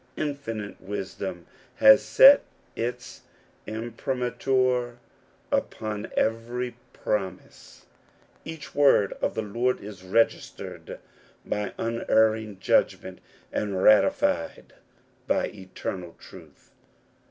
Infinite wisdom h^^ set its imprimatur upon every promise ; each wor*''^^ of the Lord is registered by unerring judgmen^^ and ratified by eternal truth.